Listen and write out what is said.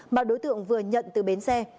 mà đối tượng vừa nhận từ bến xe